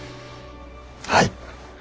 はい！